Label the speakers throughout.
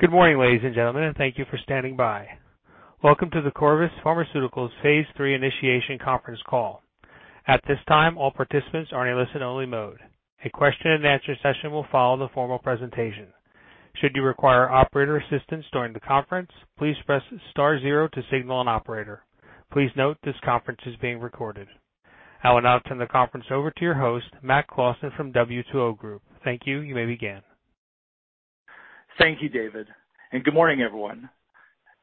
Speaker 1: Good morning, ladies and gentlemen, and thank you for standing by. Welcome to the Corvus Pharmaceuticals phase III Initiation conference call. At this time, all participants are in a listen only mode. A question and answer session will follow the formal presentation. Should you require operator assistance during the conference, please press star zero to signal an operator. Please note this conference is being recorded. I will now turn the conference over to your host, Matt Clawson from W2O Group. Thank you. You may begin.
Speaker 2: Thank you, David. Good morning, everyone.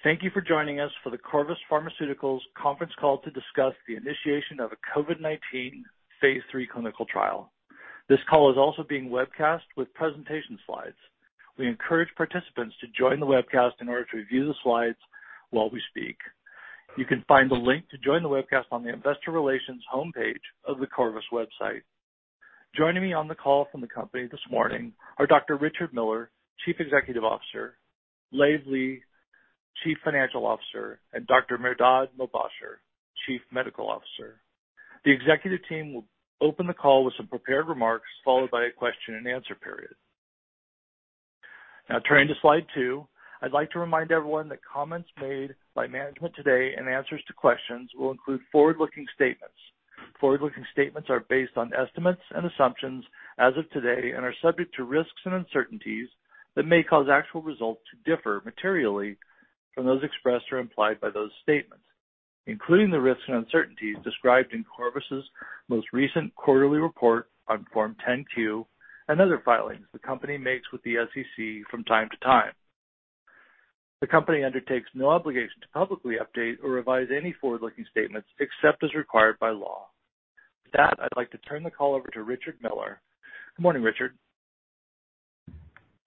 Speaker 2: Thank you for joining us for the Corvus Pharmaceuticals conference call to discuss the initiation of a COVID-19 phase III clinical trial. This call is also being webcast with presentation slides. We encourage participants to join the webcast in order to review the slides while we speak. You can find the link to join the webcast on the investor relations homepage of the Corvus website. Joining me on the call from the company this morning are Dr. Richard Miller, Chief Executive Officer, Leiv Lea, Chief Financial Officer, and Dr. Mehrdad Mobasher, Chief Medical Officer. The executive team will open the call with some prepared remarks, followed by a question and answer period. Turning to slide two, I'd like to remind everyone that comments made by management today and answers to questions will include forward-looking statements. Forward-looking statements are based on estimates and assumptions as of today and are subject to risks and uncertainties that may cause actual results to differ materially from those expressed or implied by those statements, including the risks and uncertainties described in Corvus' most recent quarterly report on Form 10-Q and other filings the company makes with the SEC from time to time. The company undertakes no obligation to publicly update or revise any forward-looking statements except as required by law. With that, I'd like to turn the call over to Richard Miller. Good morning, Richard.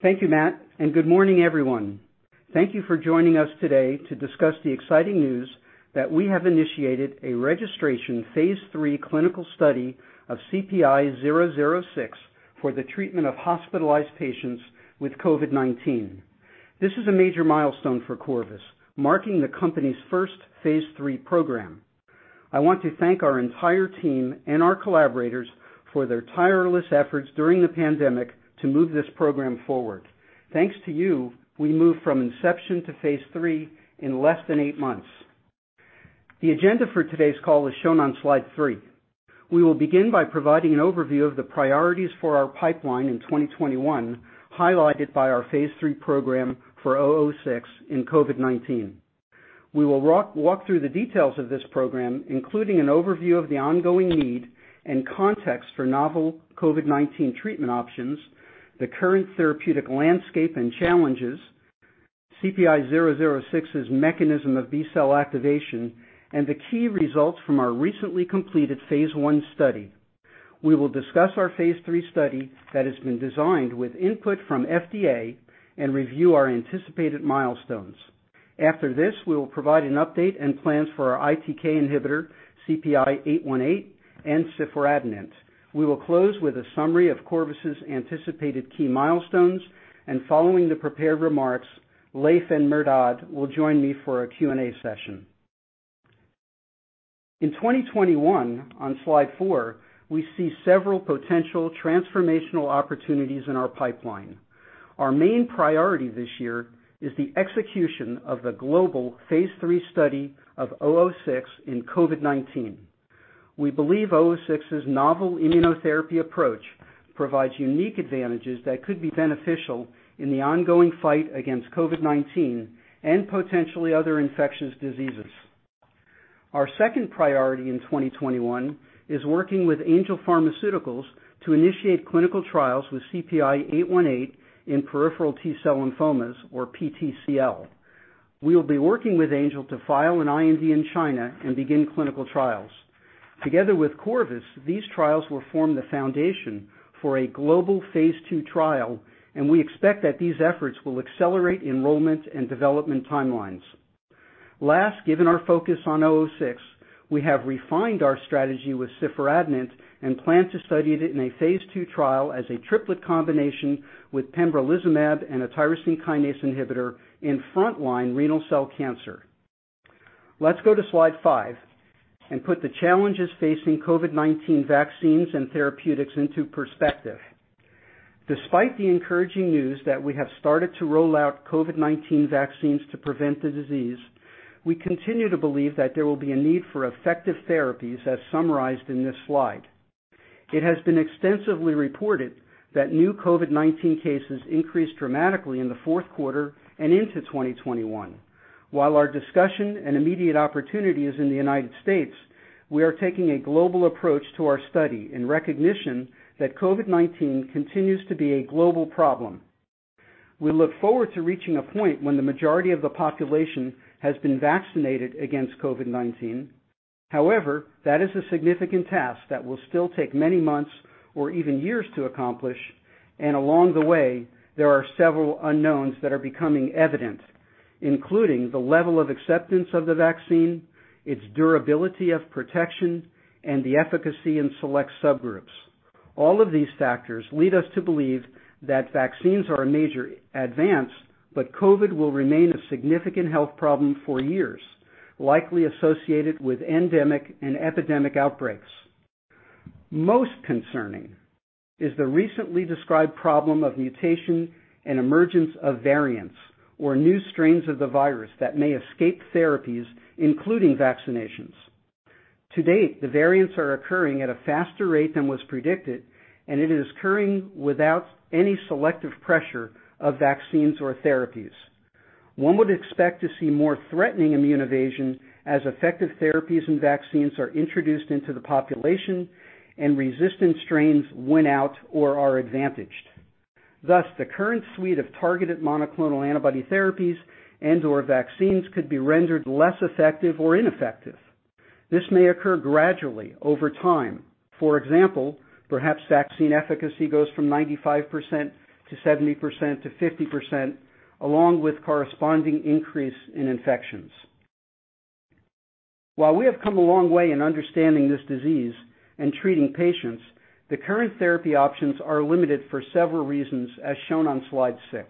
Speaker 3: Thank you, Matt, and good morning, everyone. Thank you for joining us today to discuss the exciting news that we have initiated a registration phase III clinical study of CPI-006 for the treatment of hospitalized patients with COVID-19. This is a major milestone for Corvus, marking the company's first phase III program. I want to thank our entire team and our collaborators for their tireless efforts during the pandemic to move this program forward. Thanks to you, we moved from inception to phase III in less than eight months. The agenda for today's call is shown on slide three. We will begin by providing an overview of the priorities for our pipeline in 2021, highlighted by our phase III program for 006 in COVID-19. We will walk through the details of this program, including an overview of the ongoing need and context for novel COVID-19 treatment options, the current therapeutic landscape and challenges, CPI-006's mechanism of B-cell activation, and the key results from our recently completed phase I study. We will discuss our phase III study that has been designed with input from FDA and review our anticipated milestones. After this, we will provide an update and plans for our ITK inhibitor, CPI-818, and ciforadenant. We will close with a summary of Corvus' anticipated key milestones. Following the prepared remarks, Leiv and Mehrdad will join me for a Q&A session. In 2021, on slide four, we see several potential transformational opportunities in our pipeline. Our main priority this year is the execution of the global phase III study of 006 in COVID-19. We believe 006's novel immunotherapy approach provides unique advantages that could be beneficial in the ongoing fight against COVID-19 and potentially other infectious diseases. Our second priority in 2021 is working with Angel Pharmaceuticals to initiate clinical trials with CPI-818 in peripheral T-cell lymphomas, or PTCL. We will be working with Angel to file an IND in China and begin clinical trials. Together with Corvus, these trials will form the foundation for a global phase II trial, and we expect that these efforts will accelerate enrollment and development timelines. Given our focus on 006, we have refined our strategy with ciforadenant and plan to study it in a phase II trial as a triplet combination with pembrolizumab and a tyrosine kinase inhibitor in frontline renal cell cancer. Let's go to slide five and put the challenges facing COVID-19 vaccines and therapeutics into perspective. Despite the encouraging news that we have started to roll out COVID-19 vaccines to prevent the disease, we continue to believe that there will be a need for effective therapies, as summarized in this slide. It has been extensively reported that new COVID-19 cases increased dramatically in the fourth quarter and into 2021. While our discussion and immediate opportunity is in the United States, we are taking a global approach to our study in recognition that COVID-19 continues to be a global problem. We look forward to reaching a point when the majority of the population has been vaccinated against COVID-19. However, that is a significant task that will still take many months or even years to accomplish. Along the way, there are several unknowns that are becoming evident, including the level of acceptance of the vaccine, its durability of protection, and the efficacy in select subgroups. All of these factors lead us to believe that vaccines are a major advance, but COVID-19 will remain a significant health problem for years, likely associated with endemic and epidemic outbreaks. Most concerning is the recently described problem of mutation and emergence of variants or new strains of the virus that may escape therapies, including vaccinations. To date, the variants are occurring at a faster rate than was predicted, and it is occurring without any selective pressure of vaccines or therapies. One would expect to see more threatening immune evasion as effective therapies and vaccines are introduced into the population and resistant strains win out or are advantaged. The current suite of targeted monoclonal antibody therapies and/or vaccines could be rendered less effective or ineffective. This may occur gradually over time. For example, perhaps vaccine efficacy goes from 95%-70%-50%, along with corresponding increase in infections. While we have come a long way in understanding this disease and treating patients, the current therapy options are limited for several reasons as shown on slide six.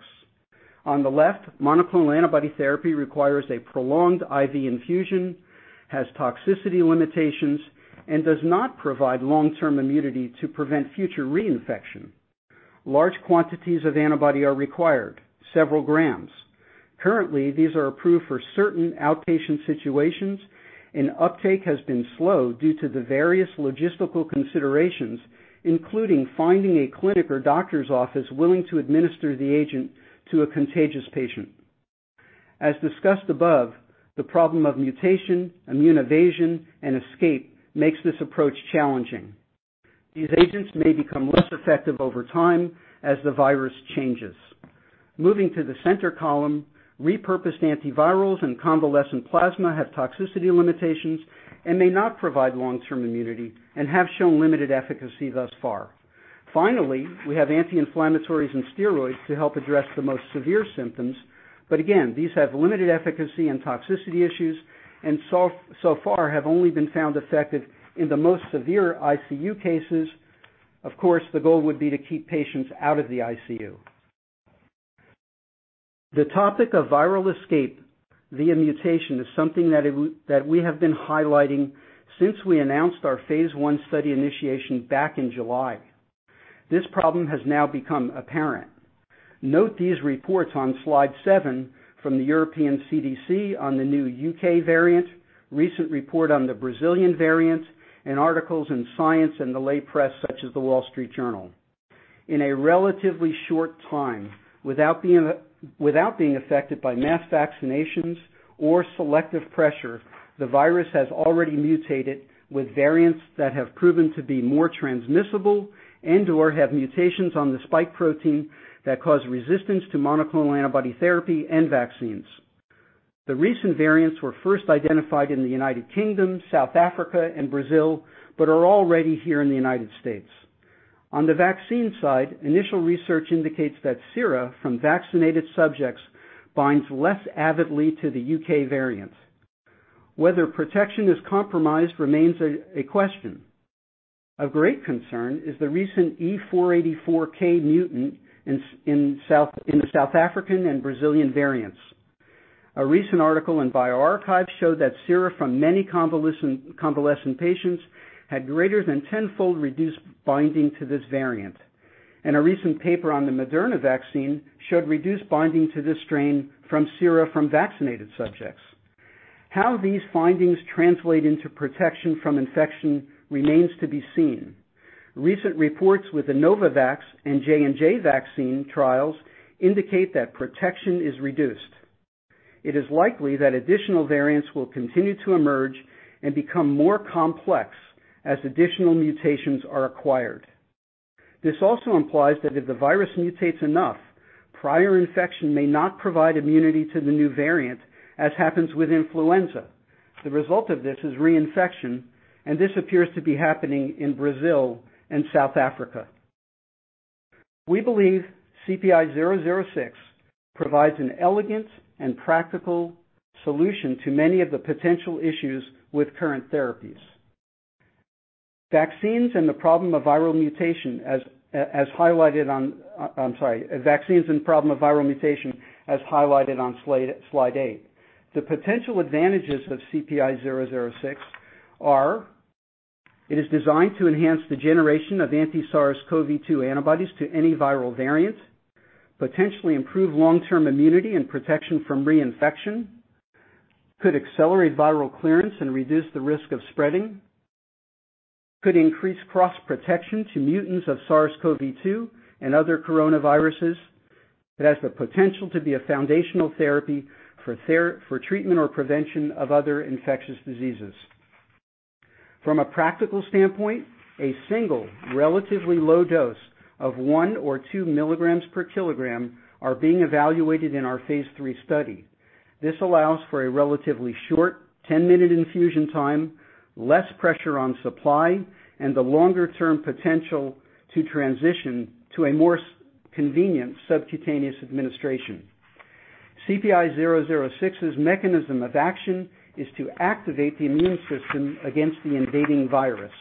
Speaker 3: On the left, monoclonal antibody therapy requires a prolonged IV infusion, has toxicity limitations, and does not provide long-term immunity to prevent future reinfection. Large quantities of antibody are required, several grams. Currently, these are approved for certain outpatient situations, and uptake has been slow due to the various logistical considerations, including finding a clinic or doctor's office willing to administer the agent to a contagious patient. As discussed above, the problem of mutation, immune evasion, and escape makes this approach challenging. These agents may become less effective over time as the virus changes. Moving to the center column, repurposed antivirals and convalescent plasma have toxicity limitations and may not provide long-term immunity and have shown limited efficacy thus far. Finally, we have anti-inflammatories and steroids to help address the most severe symptoms. Again, these have limited efficacy and toxicity issues, and so far have only been found effective in the most severe ICU cases. Of course, the goal would be to keep patients out of the ICU. The topic of viral escape via mutation is something that we have been highlighting since we announced our phase I study initiation back in July. This problem has now become apparent. Note these reports on slide seven from the European CDC on the new U.K. variant, recent report on the Brazilian variant, and articles in Science and the lay press such as The Wall Street Journal. In a relatively short time, without being affected by mass vaccinations or selective pressure, the virus has already mutated with variants that have proven to be more transmissible and/or have mutations on the spike protein that cause resistance to monoclonal antibody therapy and vaccines. The recent variants were first identified in the United Kingdom, South Africa, and Brazil, but are already here in the United States. On the vaccine side, initial research indicates that sera from vaccinated subjects binds less avidly to the U.K. variant. Whether protection is compromised remains a question. Of great concern is the recent E484K mutant in the South African and Brazilian variants. A recent article in bioRxiv showed that sera from many convalescent patients had greater than 10-fold reduced binding to this variant. A recent paper on the Moderna vaccine showed reduced binding to this strain from sera from vaccinated subjects. How these findings translate into protection from infection remains to be seen. Recent reports with the Novavax and J&J vaccine trials indicate that protection is reduced. It is likely that additional variants will continue to emerge and become more complex as additional mutations are acquired. This also implies that if the virus mutates enough, prior infection may not provide immunity to the new variant, as happens with influenza. The result of this is reinfection. This appears to be happening in Brazil and South Africa. We believe CPI-006 provides an elegant and practical solution to many of the potential issues with current therapies. Vaccines and the problem of viral mutation as highlighted on slide eight. The potential advantages of CPI-006 are it is designed to enhance the generation of anti-SARS-CoV-2 antibodies to any viral variant, potentially improve long-term immunity and protection from reinfection, could accelerate viral clearance and reduce the risk of spreading, could increase cross-protection to mutants of SARS-CoV-2 and other coronaviruses. It has the potential to be a foundational therapy for treatment or prevention of other infectious diseases. From a practical standpoint, a single, relatively low dose of one or two mg per kg are being evaluated in our phase III study. This allows for a relatively short 10-minute infusion time, less pressure on supply, and the longer-term potential to transition to a more convenient subcutaneous administration. CPI-006's mechanism of action is to activate the immune system against the invading virus,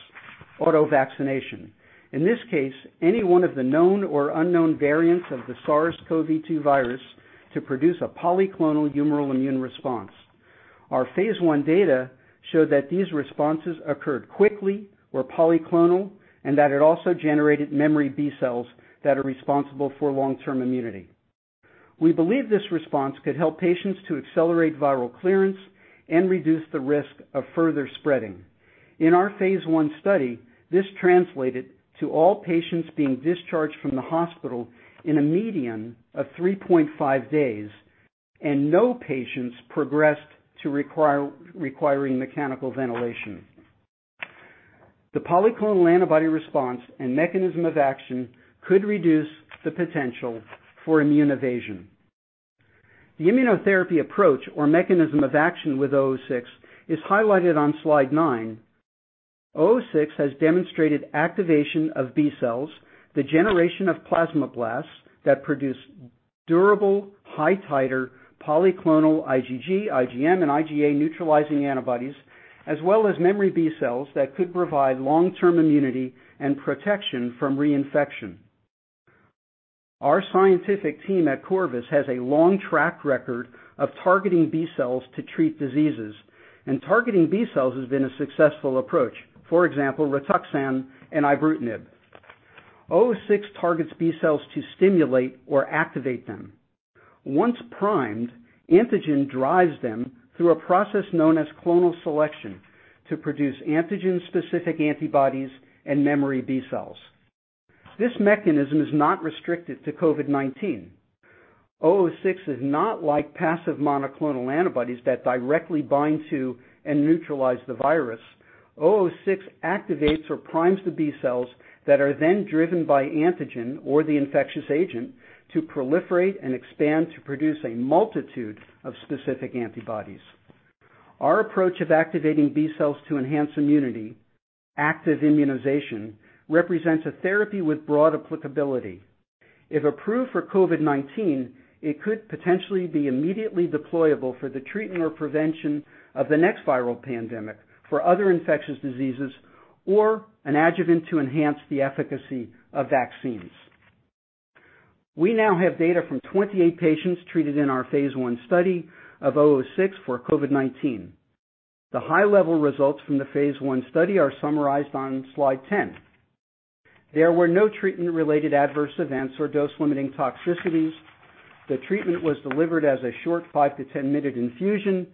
Speaker 3: auto-vaccination. In this case, any one of the known or unknown variants of the SARS-CoV-2 virus to produce a polyclonal humoral immune response. Our phase I data showed that these responses occurred quickly, were polyclonal, and that it also generated memory B cells that are responsible for long-term immunity. We believe this response could help patients to accelerate viral clearance and reduce the risk of further spreading. In our phase I study, this translated to all patients being discharged from the hospital in a median of 3.5 days, and no patients progressed to requiring mechanical ventilation. The polyclonal antibody response and mechanism of action could reduce the potential for immune evasion. The immunotherapy approach or mechanism of action with CPI-006 is highlighted on slide nine. CPI-006 has demonstrated activation of B cells, the generation of plasmablasts that produce durable high-titer polyclonal IgG, IgM, and IgA neutralizing antibodies, as well as memory B cells that could provide long-term immunity and protection from reinfection. Our scientific team at Corvus has a long track record of targeting B cells to treat diseases. Targeting B cells has been a successful approach. For example, RITUXAN and ibrutinib. CPI-006 targets B cells to stimulate or activate them. Once primed, antigen drives them through a process known as clonal selection to produce antigen-specific antibodies and memory B cells. This mechanism is not restricted to COVID-19. CPI-006 is not like passive monoclonal antibodies that directly bind to and neutralize the virus. CPI-006 activates or primes the B cells that are then driven by antigen or the infectious agent to proliferate and expand to produce a multitude of specific antibodies. Our approach of activating B cells to enhance immunity, active immunization, represents a therapy with broad applicability. If approved for COVID-19, it could potentially be immediately deployable for the treatment or prevention of the next viral pandemic, for other infectious diseases, or an adjuvant to enhance the efficacy of vaccines. We now have data from 28 patients treated in our phase I study of CPI-006 for COVID-19. The high-level results from the phase I study are summarized on slide 10. There were no treatment-related adverse events or dose-limiting toxicities. The treatment was delivered as a short five to 10-minute infusion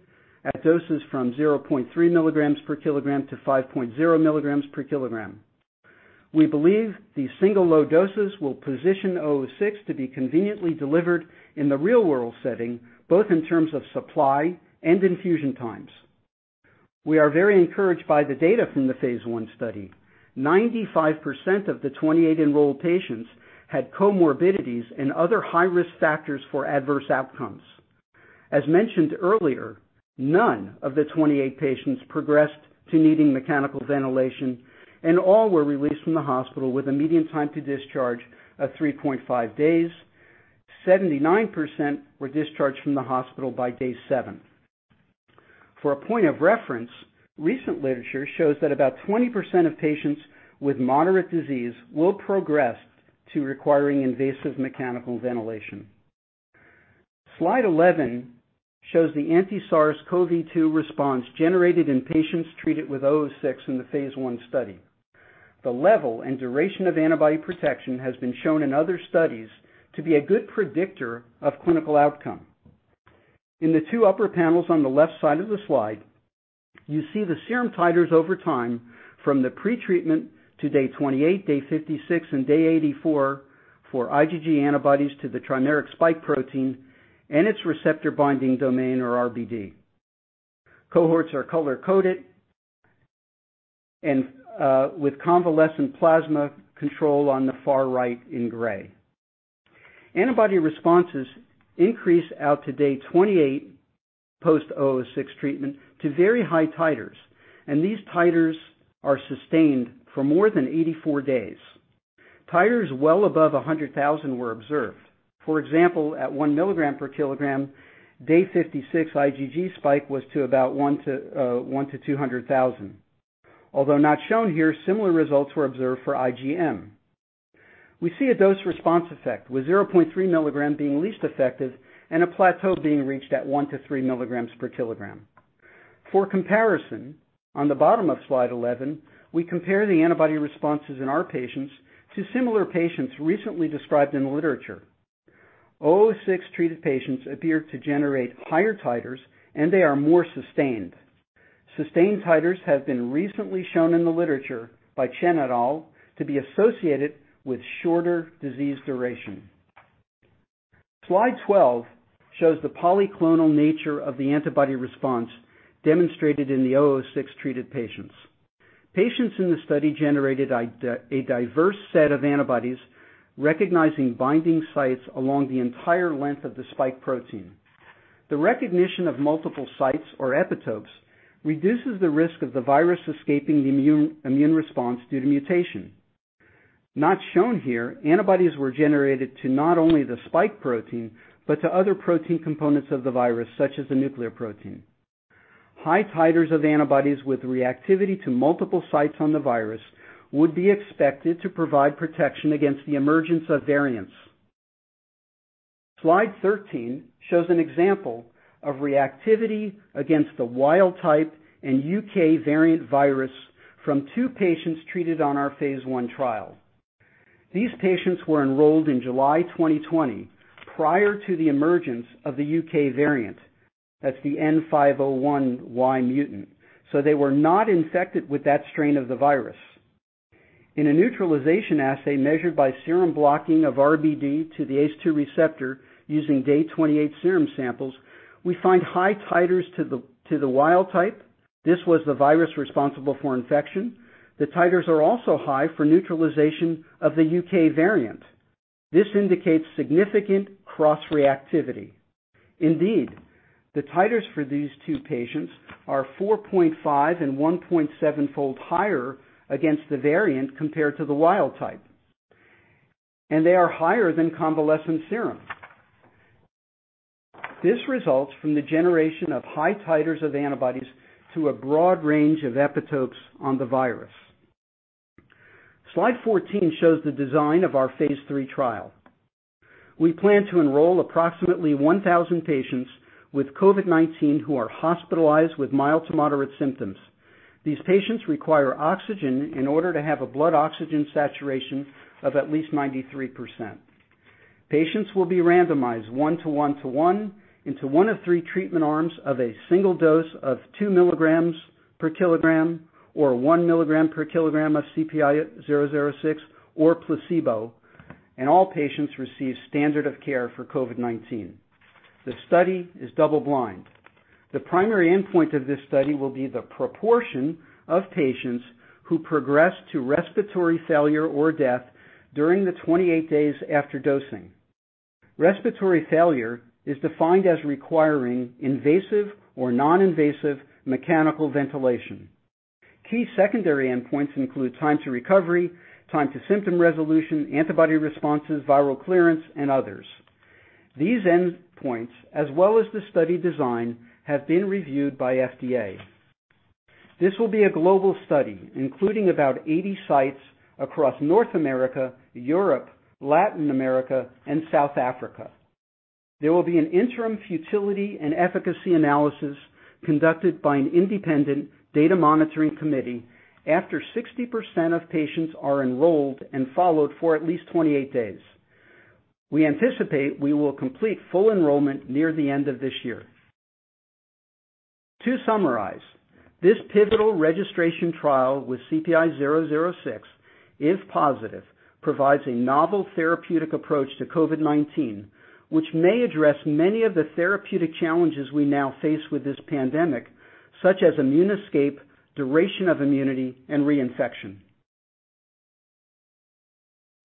Speaker 3: at doses from 0.3 mg per kg to 5.0 mg per kg. We believe these single low doses will position CPI-006 to be conveniently delivered in the real-world setting, both in terms of supply and infusion times. We are very encouraged by the data from the phase I study. 95% of the 28 enrolled patients had comorbidities and other high-risk factors for adverse outcomes. As mentioned earlier, none of the 28 patients progressed to needing mechanical ventilation, and all were released from the hospital with a median time to discharge of 3.5 days. 79% were discharged from the hospital by day seven. For a point of reference, recent literature shows that about 20% of patients with moderate disease will progress to requiring invasive mechanical ventilation. Slide 11 shows the anti-SARS-CoV-2 response generated in patients treated with CPI-006 in the phase I study. The level and duration of antibody protection has been shown in other studies to be a good predictor of clinical outcome. In the two upper panels on the left side of the slide, you see the serum titers over time from the pretreatment to day 28, day 56, and day 84 for IgG antibodies to the trimeric spike protein and its receptor binding domain or RBD. Cohorts are color-coded, and with convalescent plasma control on the far right in gray. Antibody responses increase out to day 28 post CPI-006 treatment to very high titers, and these titers are sustained for more than 84 days. Titers well above 100,000 were observed. For example, at 1 mg per kg, day 56 IgG spike was to about one to 200,000. Although not shown here, similar results were observed for IgM. We see a dose-response effect, with 0.3 mg being least effective and a plateau being reached at one to three mg per kg. For comparison, on the bottom of slide 11, we compare the antibody responses in our patients to similar patients recently described in the literature. CPI-006-treated patients appear to generate higher titers, and they are more sustained. Sustained titers have been recently shown in the literature by Chen et al. to be associated with shorter disease duration. Slide 12 shows the polyclonal nature of the antibody response demonstrated in the CPI-006-treated patients. Patients in the study generated a diverse set of antibodies, recognizing binding sites along the entire length of the spike protein. The recognition of multiple sites or epitopes reduces the risk of the virus escaping the immune response due to mutation. Not shown here, antibodies were generated to not only the spike protein, but to other protein components of the virus, such as the nuclear protein. High titers of antibodies with reactivity to multiple sites on the virus would be expected to provide protection against the emergence of variants. Slide 13 shows an example of reactivity against the wild type and U.K. variant virus from two patients treated on our phase I trial. These patients were enrolled in July 2020, prior to the emergence of the U.K. variant. That's the N501Y mutant. They were not infected with that strain of the virus. In a neutralization assay measured by serum blocking of RBD to the ACE2 receptor using day 28 serum samples, we find high titers to the wild type. This was the virus responsible for infection. The titers are also high for neutralization of the U.K. variant. This indicates significant cross-reactivity. Indeed, the titers for these two patients are 4.5 and 1.7-fold higher against the variant compared to the wild type, and they are higher than convalescent serum. This results from the generation of high titers of antibodies to a broad range of epitopes on the virus. Slide 14 shows the design of our phase III trial. We plan to enroll approximately 1,000 patients with COVID-19 who are hospitalized with mild to moderate symptoms. These patients require oxygen in order to have a blood oxygen saturation of at least 93%. Patients will be randomized one to one to one into one of three treatment arms of a single dose of 2 mg per kg or 1 mg per kg of CPI-006 or placebo, and all patients receive standard of care for COVID-19. The study is double blind. The primary endpoint of this study will be the proportion of patients who progress to respiratory failure or death during the 28 days after dosing. Respiratory failure is defined as requiring invasive or non-invasive mechanical ventilation. Key secondary endpoints include time to recovery, time to symptom resolution, antibody responses, viral clearance, and others. These endpoints, as well as the study design, have been reviewed by FDA. This will be a global study, including about 80 sites across North America, Europe, Latin America, and South Africa. There will be an interim futility and efficacy analysis conducted by an independent data monitoring committee after 60% of patients are enrolled and followed for at least 28 days. We anticipate we will complete full enrollment near the end of this year. To summarize, this pivotal registration trial with CPI-006, if positive, provides a novel therapeutic approach to COVID-19, which may address many of the therapeutic challenges we now face with this pandemic, such as immune escape, duration of immunity, and reinfection.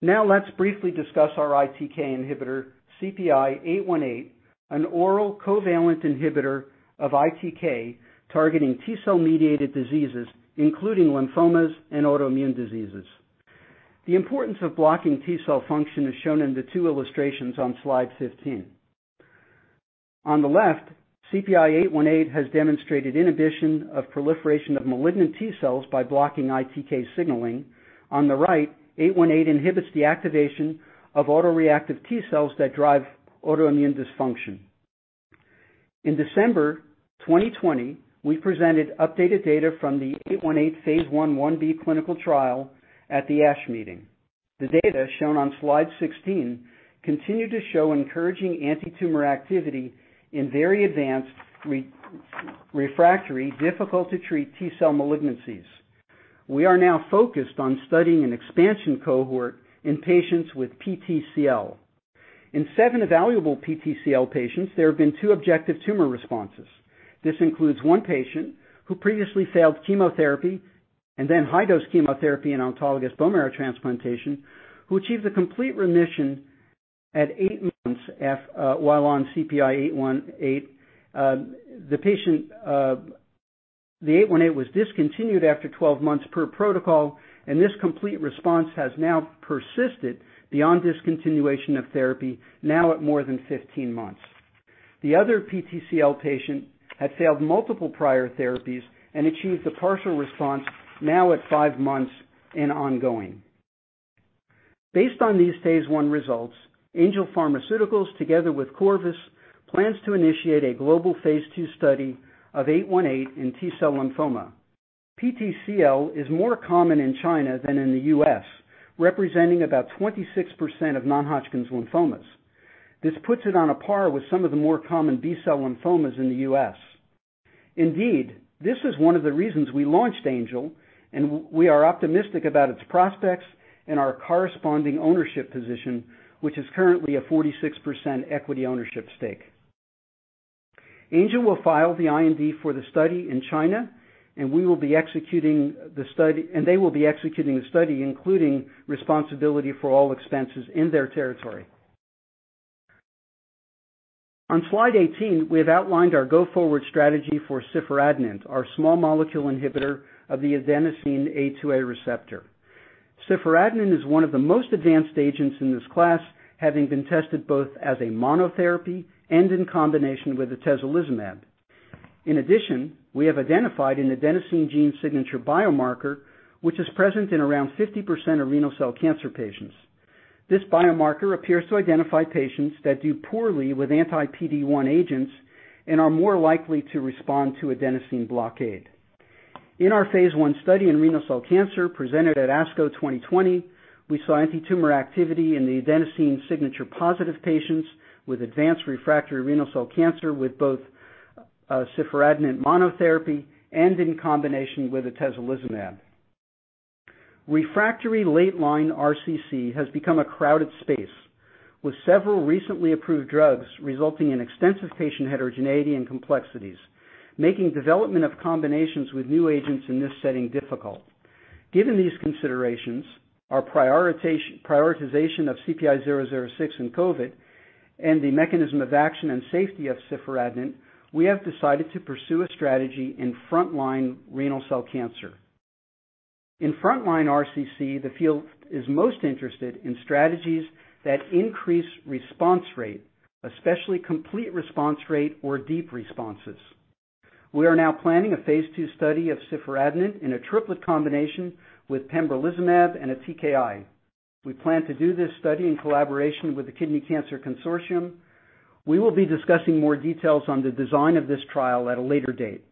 Speaker 3: Let's briefly discuss our ITK inhibitor, CPI-818, an oral covalent inhibitor of ITK targeting T-cell-mediated diseases, including lymphomas and autoimmune diseases. The importance of blocking T-cell function is shown in the two illustrations on slide 15. On the left, CPI-818 has demonstrated inhibition of proliferation of malignant T-cells by blocking ITK signaling. On the right, 818 inhibits the activation of autoreactive T-cells that drive autoimmune dysfunction. In December 2020, we presented updated data from the 818 phase I/1b clinical trial at the ASH meeting. The data shown on slide 16 continue to show encouraging antitumor activity in very advanced refractory, difficult to treat T-cell malignancies. We are now focused on studying an expansion cohort in patients with PTCL. In seven evaluable PTCL patients, there have been two objective tumor responses. This includes one patient who previously failed chemotherapy and then high dose chemotherapy and autologous bone marrow transplantation, who achieved a complete remission at eight months while on CPI-818. The 818 was discontinued after 12 months per protocol, and this complete response has now persisted beyond discontinuation of therapy now at more than 15 months. The other PTCL patient had failed multiple prior therapies and achieved a partial response now at five months and ongoing. Based on these phase I results, Angel Pharmaceuticals, together with Corvus, plans to initiate a global phase II study of 818 in T-cell lymphoma. PTCL is more common in China than in the U.S., representing about 26% of non-Hodgkin's lymphomas. This puts it on a par with some of the more common B-cell lymphomas in the U.S.. This is one of the reasons we launched Angel, and we are optimistic about its prospects and our corresponding ownership position, which is currently a 46% equity ownership stake. Angel will file the IND for the study in China, and they will be executing the study, including responsibility for all expenses in their territory. On slide 18, we have outlined our go-forward strategy for ciforadenant, our small molecule inhibitor of the adenosine A2A receptor. Ciforadenant is one of the most advanced agents in this class, having been tested both as a monotherapy and in combination with atezolizumab. In addition, we have identified an adenosine gene signature biomarker, which is present in around 50% of renal cell cancer patients. This biomarker appears to identify patients that do poorly with anti-PD-1 agents and are more likely to respond to adenosine blockade. In our phase I study in renal cell cancer presented at ASCO 2020, we saw antitumor activity in the adenosine signature-positive patients with advanced refractory renal cell cancer with both ciforadenant monotherapy and in combination with atezolizumab. Refractory late-line RCC has become a crowded space, with several recently approved drugs resulting in extensive patient heterogeneity and complexities, making development of combinations with new agents in this setting difficult. Given these considerations, our prioritization of CPI-006 in COVID-19, and the mechanism of action and safety of ciforadenant, we have decided to pursue a strategy in frontline renal cell cancer. In frontline RCC, the field is most interested in strategies that increase response rate, especially complete response rate or deep responses. We are now planning a phase II study of ciforadenant in a triplet combination with pembrolizumab and a TKI. We plan to do this study in collaboration with the Kidney Cancer Consortium. We will be discussing more details on the design of this trial at a later date.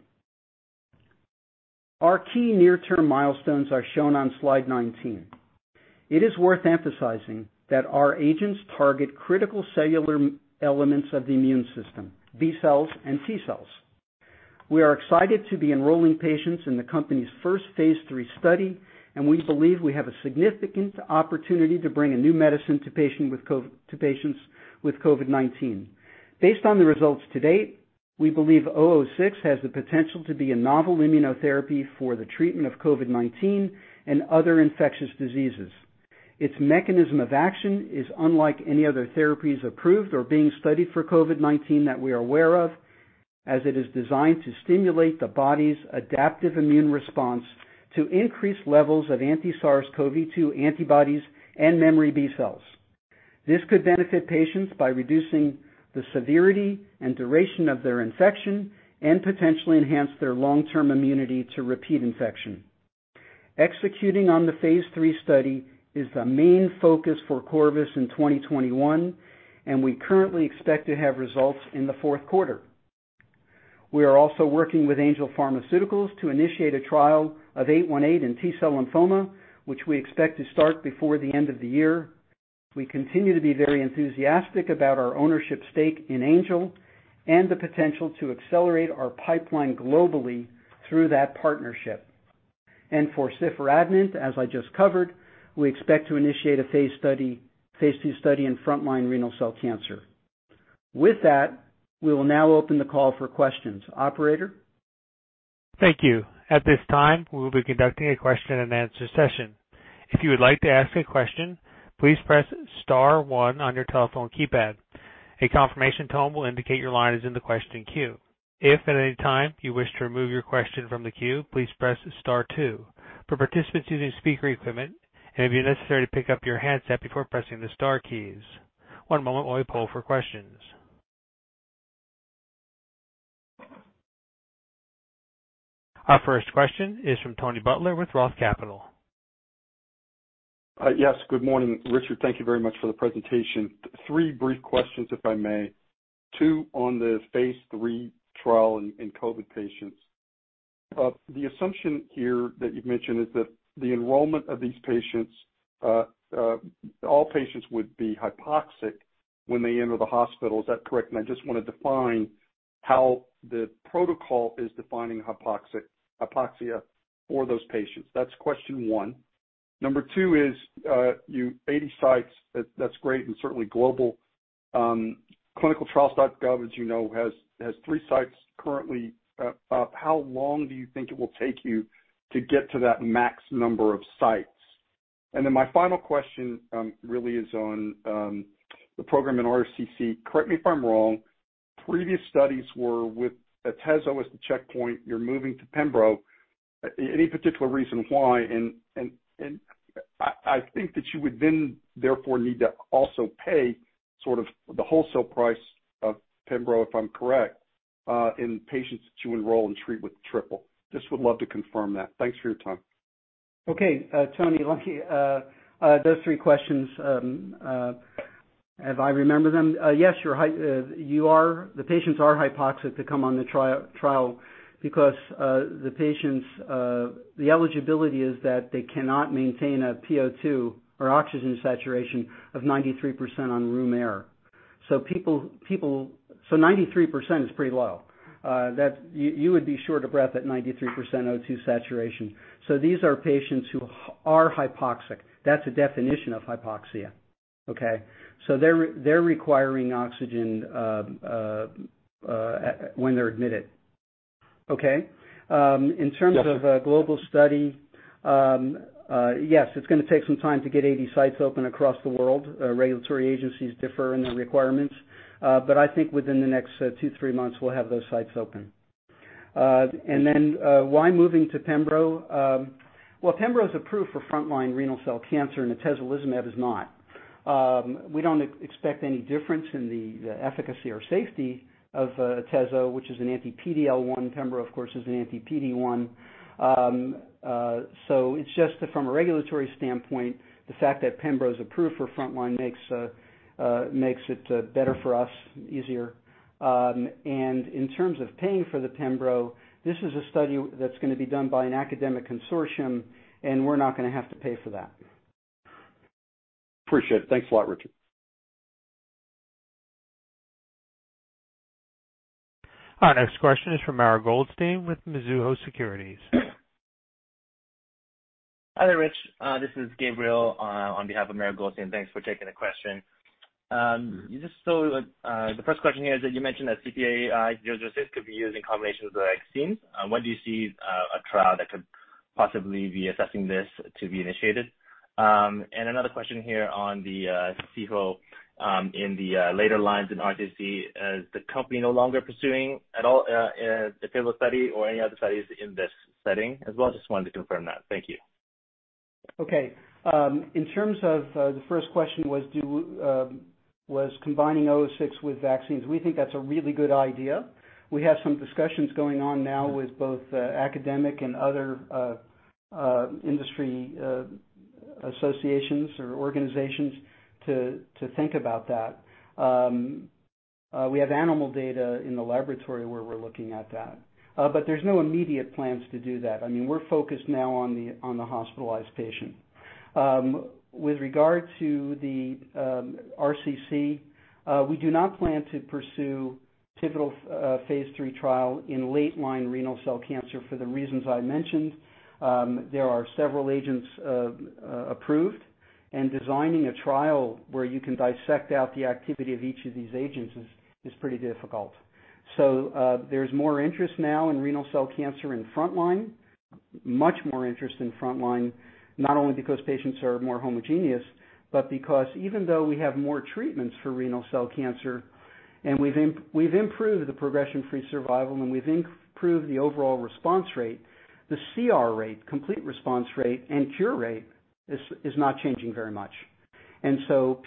Speaker 3: Our key near-term milestones are shown on slide 19. It is worth emphasizing that our agents target critical cellular elements of the immune system, B cells and T cells. We are excited to be enrolling patients in the company's first phase III study, and we believe we have a significant opportunity to bring a new medicine to patients with COVID-19. Based on the results to date, we believe 006 has the potential to be a novel immunotherapy for the treatment of COVID-19 and other infectious diseases. Its mechanism of action is unlike any other therapies approved or being studied for COVID-19 that we are aware of, as it is designed to stimulate the body's adaptive immune response to increase levels of anti-SARS-CoV-2 antibodies and memory B cells. This could benefit patients by reducing the severity and duration of their infection and potentially enhance their long-term immunity to repeat infection. Executing on the phase III study is the main focus for Corvus in 2021. We currently expect to have results in the fourth quarter. We are also working with Angel Pharmaceuticals to initiate a trial of 818 in T cell lymphoma, which we expect to start before the end of the year. We continue to be very enthusiastic about our ownership stake in Angel and the potential to accelerate our pipeline globally through that partnership. For ciforadenant, as I just covered, we expect to initiate a phase II study in frontline renal cell cancer. With that, we will now open the call for questions. Operator?
Speaker 1: Thank you. At this time, we will be conducting a question and answer session. If you would like to ask a question, please press star one on your telephone keypad. A confirmation tone will indicate your line is in the question queue. If at any time you wish to remove your question from the queue, please press star two. For participants using speaker equipment, it may be necessary to pick up your handset before pressing the star keys. One moment while we poll for questions. Our first question is from Tony Butler with ROTH Capital.
Speaker 4: Yes. Good morning, Richard. Thank you very much for the presentation. Three brief questions, if I may. Two on the phase III trial in COVID patients. The assumption here that you've mentioned is that the enrollment of these patients, all patients would be hypoxic when they enter the hospital. Is that correct? I just want to define how the protocol is defining hypoxia for those patients. That's question one. Number two is, 80 sites, that's great and certainly global. ClinicalTrials.gov, as you know, has three sites currently. How long do you think it will take you to get to that max number of sites? My final question really is on the program in RCC. Correct me if I'm wrong, previous studies were with atezolizumab as the checkpoint. You're moving to pembrolizumab. Any particular reason why? I think that you would then, therefore, need to also pay sort of the wholesale price of Pembro, if I'm correct, in patients that you enroll and treat with triple. Just would love to confirm that. Thanks for your time.
Speaker 3: Okay. Tony, those three questions, if I remember them. Yes, the patients are hypoxic to come on the trial because the eligibility is that they cannot maintain a PO2 or oxygen saturation of 93% on room air. 93% is pretty low. You would be short of breath at 93% O2 saturation. These are patients who are hypoxic. That's a definition of hypoxia. Okay? They're requiring oxygen when they're admitted. Okay? In terms of a global study yes, it's going to take some time to get 80 sites open across the world. Regulatory agencies differ in their requirements. I think within the next two, three months, we'll have those sites open. Why moving to Pembro? Well, Pembro is approved for frontline renal cell cancer and atezolizumab is not. We don't expect any difference in the efficacy or safety of atezo, which is an anti-PD-L1. Pembro, of course, is an anti-PD-1. It's just that from a regulatory standpoint, the fact that Pembro is approved for frontline makes it better for us, easier. In terms of paying for the Pembro, this is a study that's going to be done by an academic consortium, and we're not going to have to pay for that.
Speaker 4: Appreciate it. Thanks a lot, Richard.
Speaker 1: Our next question is from Mara Goldstein with Mizuho Securities.
Speaker 5: Hi there, Richard. This is Gabriel on behalf of Mara Goldstein. Thanks for taking the question. The first question here is that you mentioned that CPI-006 could be used in combination with vaccines. When do you see a trial that could possibly be assessing this to be initiated? Another question here on the SEHO in the later lines in RCC, is the company no longer pursuing at all the pivotal study or any other studies in this setting as well? Just wanted to confirm that. Thank you.
Speaker 3: Okay. In terms of the first question was combining 006 with vaccines. We think that's a really good idea. We have some discussions going on now with both academic and other industry associations or organizations to think about that. We have animal data in the laboratory where we're looking at that. There's no immediate plans to do that. I mean, we're focused now on the hospitalized patient. With regard to the RCC, we do not plan to pursue pivotal phase III trial in late-line renal cell cancer for the reasons I mentioned. There are several agents approved, designing a trial where you can dissect out the activity of each of these agents is pretty difficult. There's more interest now in renal cell cancer in frontline, much more interest in frontline, not only because patients are more homogeneous, but because even though we have more treatments for renal cell cancer, and we've improved the progression-free survival, and we've improved the overall response rate, the CR rate, complete response rate and cure rate is not changing very much.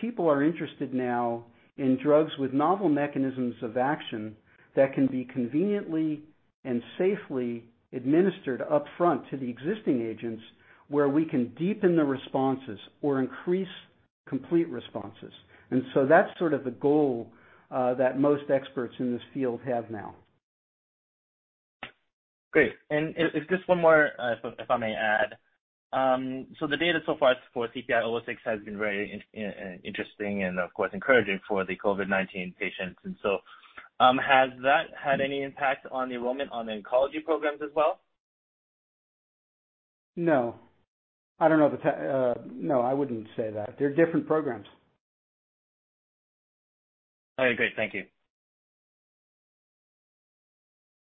Speaker 3: People are interested now in drugs with novel mechanisms of action that can be conveniently and safely administered upfront to the existing agents, where we can deepen the responses or increase complete responses. That's sort of the goal that most experts in this field have now.
Speaker 5: Great. Just one more, if I may add. The data so far for CPI-006 has been very interesting and, of course, encouraging for the COVID-19 patients. Has that had any impact on the enrollment on the oncology programs as well?
Speaker 3: No. I don't know. No, I wouldn't say that. They're different programs.
Speaker 5: Okay, great. Thank you.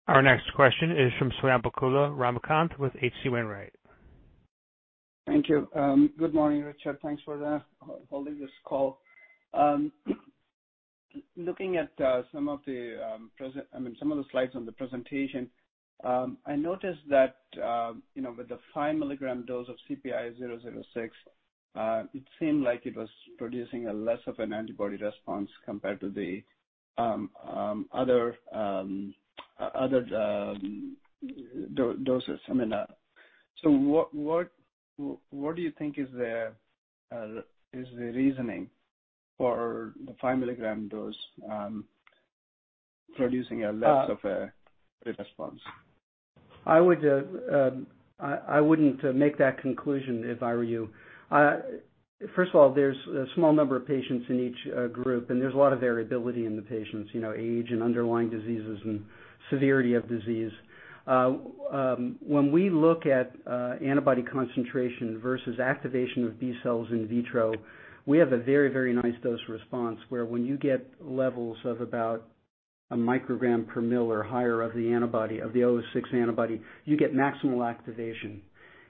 Speaker 1: Our next question is from Swayampakula Ramakanth with H.C. Wainwright.
Speaker 6: Thank you. Good morning, Richard. Thanks for holding this call. Looking at some of the slides on the presentation, I noticed that with the 5-mg dose of CPI-006, it seemed like it was producing a less of an antibody response compared to the other doses. What do you think is the reasoning for the five-milligram dose producing a less of a response?
Speaker 3: I wouldn't make that conclusion if I were you. First of all, there's a small number of patients in each group, and there's a lot of variability in the patients, age and underlying diseases and severity of disease. When we look at antibody concentration versus activation of B cells in vitro, we have a very, very nice dose response, where when you get levels of about a microgram per mL or higher of the antibody, of the 006 antibody, you get maximal activation.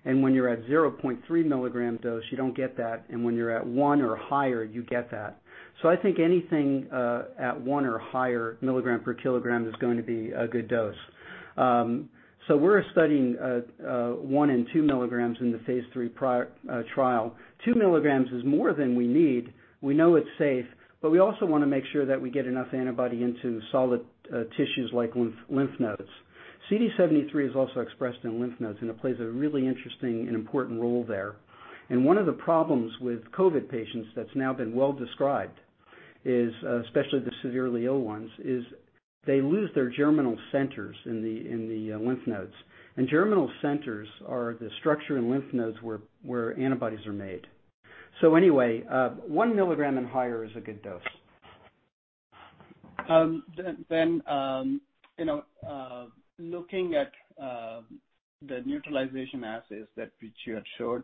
Speaker 3: When you're at 0.3 mg dose, you don't get that, and when you're at one or higher, you get that. I think anything at one or higher milligram per kilogram is going to be a good dose. We're studying one and two milligrams in the phase III trial. 2 mg is more than we need. We know it's safe, but we also want to make sure that we get enough antibody into solid tissues like lymph nodes. CD73 is also expressed in lymph nodes, and it plays a really interesting and important role there. One of the problems with COVID patients that's now been well described is, especially the severely ill ones, is they lose their germinal centers in the lymph nodes. Germinal centers are the structure in lymph nodes where antibodies are made. Anyway, 1 mg and higher is a good dose.
Speaker 6: Looking at the neutralization assays that which you had showed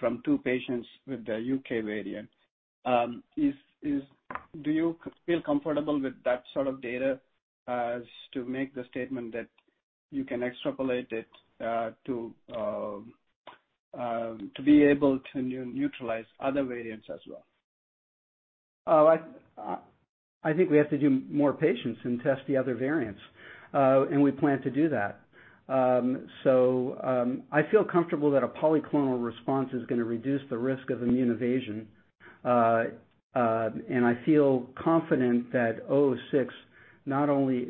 Speaker 6: from two patients with the U.K. variant, do you feel comfortable with that sort of data as to make the statement that you can extrapolate it to be able to neutralize other variants as well?
Speaker 3: I think we have to do more patients and test the other variants, and we plan to do that. I feel comfortable that a polyclonal response is going to reduce the risk of immune evasion. I feel confident that 006 not only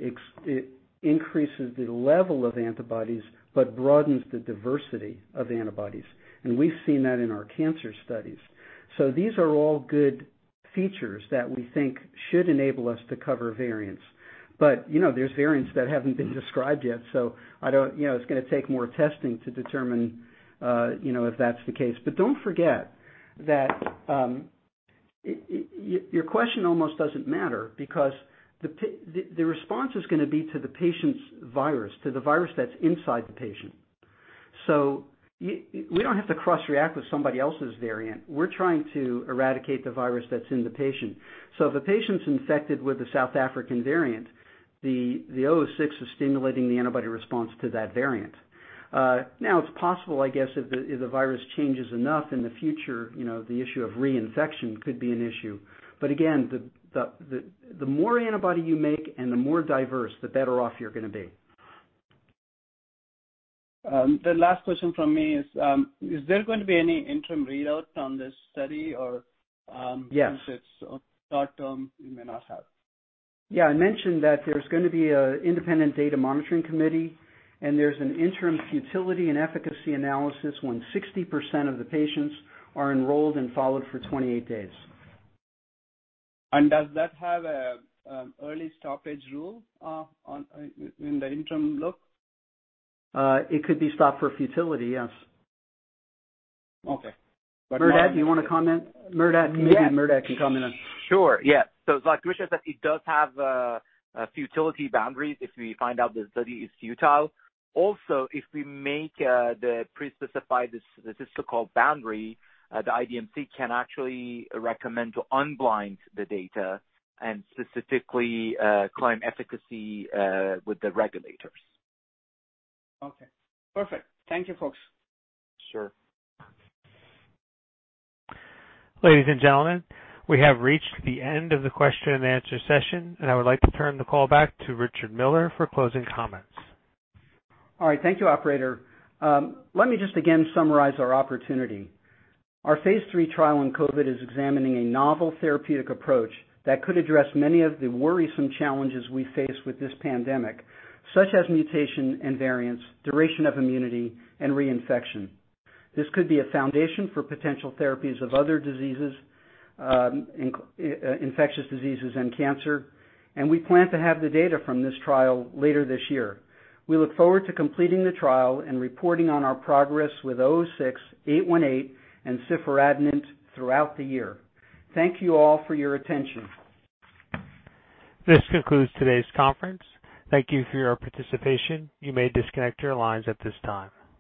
Speaker 3: increases the level of antibodies but broadens the diversity of antibodies. We've seen that in our cancer studies. These are all good features that we think should enable us to cover variants. There's variants that haven't been described yet, so it's going to take more testing to determine if that's the case. Don't forget that your question almost doesn't matter because the response is going to be to the patient's virus, to the virus that's inside the patient. We don't have to cross-react with somebody else's variant. We're trying to eradicate the virus that's in the patient. If a patient's infected with the South African variant, the 006 is stimulating the antibody response to that variant. It's possible, I guess, if the virus changes enough in the future, the issue of reinfection could be an issue. Again, the more antibody you make and the more diverse, the better off you're going to be.
Speaker 6: The last question from me is there going to be any interim readout on this study?
Speaker 3: Yes.
Speaker 6: Since it's short-term, you may not have.
Speaker 3: Yeah, I mentioned that there's going to be an independent data monitoring committee, and there's an interim futility and efficacy analysis when 60% of the patients are enrolled and followed for 28 days.
Speaker 6: Does that have an early stoppage rule in the interim look?
Speaker 3: It could be stopped for futility, yes.
Speaker 6: Okay.
Speaker 3: Mehrdad, do you want to comment? Mehrdad.
Speaker 7: Yes.
Speaker 3: Maybe Mehrdad Mobasher can comment on it.
Speaker 7: Sure, yeah. Like Richard said, it does have futility boundaries if we find out the study is futile. If we make the pre-specified statistical boundary, the IDMC can actually recommend to unblind the data and specifically claim efficacy with the regulators.
Speaker 6: Okay, perfect. Thank you, folks.
Speaker 7: Sure.
Speaker 1: Ladies and gentlemen, we have reached the end of the question and answer session. I would like to turn the call back to Richard Miller for closing comments.
Speaker 3: All right. Thank you, operator. Let me just again summarize our opportunity. Our phase III trial on COVID is examining a novel therapeutic approach that could address many of the worrisome challenges we face with this pandemic, such as mutation and variants, duration of immunity, and reinfection. This could be a foundation for potential therapies of other diseases, infectious diseases, and cancer. We plan to have the data from this trial later this year. We look forward to completing the trial and reporting on our progress with 006, 818, and ciforadenant throughout the year. Thank you all for your attention.
Speaker 1: This concludes today's conference. Thank you for your participation. You may disconnect your lines at this time.